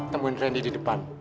temuin randy di depan